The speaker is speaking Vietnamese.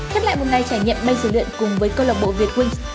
kết lại một ngày trải nghiệm bay dụ lượng cùng với cơ lộc bộ việt wings